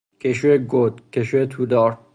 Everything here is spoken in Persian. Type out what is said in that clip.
کشو گود، کشو تودار